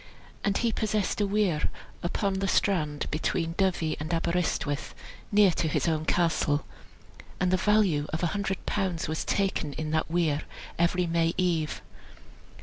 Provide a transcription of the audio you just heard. And he possessed a weir upon the strand between Dyvi and Aberystwyth, near to his own castle, and the value of an hundred pounds was taken in that weir every May eve.